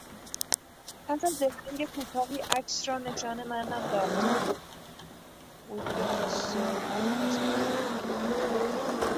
پس از درنگ کوتاهی عکس را نشان من هم داد.